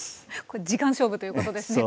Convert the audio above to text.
これ時間勝負ということですね